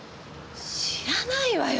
知らないわよ